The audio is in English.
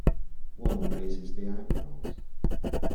One raises the eyebrows.